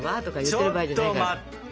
ちょっと待って。